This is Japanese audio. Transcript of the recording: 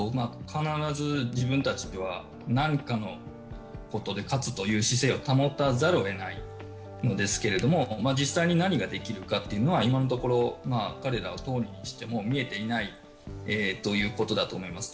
必ず自分たちには、何かのことで勝つという姿勢を保たざるをえないわけですけども実際に何ができるかは、今のところ彼らは見えていないということだと思います。